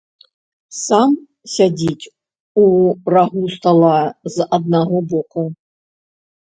Сам сядзіць у рагу стала з аднаго боку.